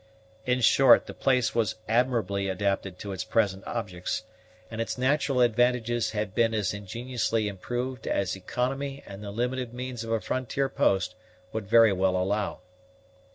In short, the place was admirably adapted to its present objects, and its natural advantages had been as ingeniously improved as economy and the limited means of a frontier post would very well allow.